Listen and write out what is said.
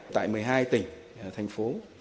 tại một mươi hai tỉnh thành phố